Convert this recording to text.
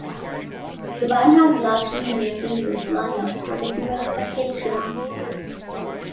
The band has largely maintained this lineup, with a few exceptions.